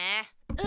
え。